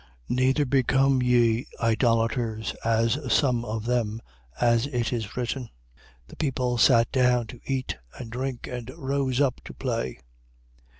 10:7. Neither become ye idolaters, as some of them, as it is written: The people sat down to eat and drink and rose up to play.